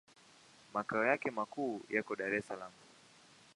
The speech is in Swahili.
Makao yake makuu yako Dar es Salaam.